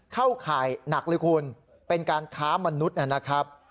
เข้าข่ายหนักเลยคุณเป็นการค้ามนุษย์นะครับ